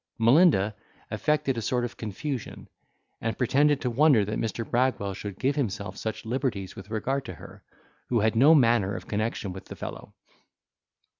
Melinda, affected a sort of confusion, and pretended to wonder that Mr. Bragwell should give himself such liberties with regard to her, who had no manner of connection with the fellow.